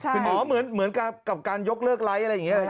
คือหมอเหมือนกับการยกเลิกไลค์อะไรอย่างนี้